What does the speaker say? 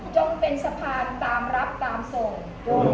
จงเป็นสะพานตามรับตามส่ง